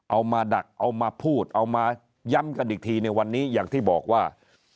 มาดักเอามาพูดเอามาย้ำกันอีกทีในวันนี้อย่างที่บอกว่า